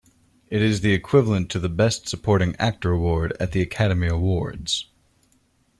It is the equivalent to the Best Supporting Actor award at the Academy Awards.